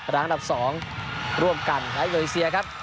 ร้านดับ๒ร่วมกันมาเลเซียครับ